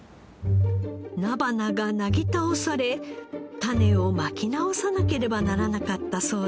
菜花がなぎ倒され種をまき直さなければならなかったそうです。